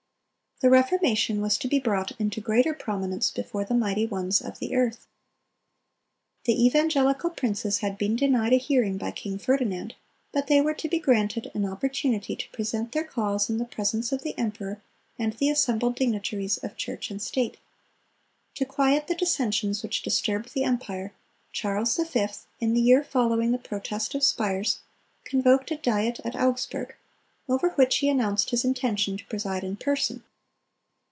(299) The Reformation was to be brought into greater prominence before the mighty ones of the earth. The evangelical princes had been denied a hearing by King Ferdinand; but they were to be granted an opportunity to present their cause in the presence of the emperor and the assembled dignitaries of church and state. To quiet the dissensions which disturbed the empire, Charles V., in the year following the Protest of Spires, convoked a Diet at Augsburg, over which he announced his intention to preside in person.